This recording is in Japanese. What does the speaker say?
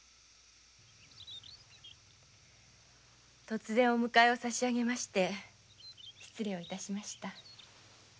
突然お迎えを差し上げまして失礼致しました。